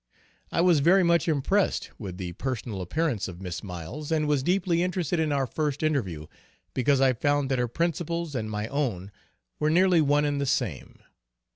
I was very much impressed with the personal appearance of Miss Miles, and was deeply interested in our first interview, because I found that her principles and my own were nearly one and the same.